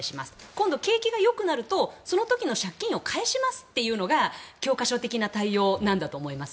今度、景気がよくなるとその時の借金を返しますというのが教科書的な対応なんだと思います。